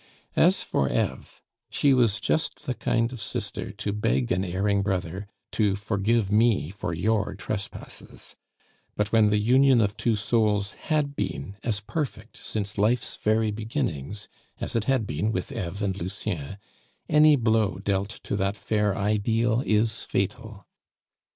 As for Eve, she was just the kind of sister to beg an erring brother to "Forgive me for your trespasses;" but when the union of two souls had been as perfect since life's very beginnings, as it had been with Eve and Lucien, any blow dealt to that fair ideal is fatal.